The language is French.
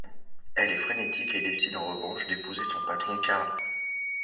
Elle est frénétique et décide, en revanche, d'épouser son patron Karl.